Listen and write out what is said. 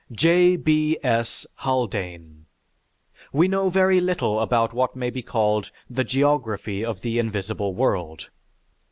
J. B. S. HALDANE We know very little about what may be called the geography of the invisible world.